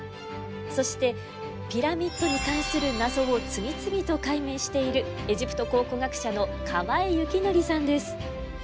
そしてピラミッドに関する謎を次々と解明しているエジプト考古学者の河江肖剰さんです。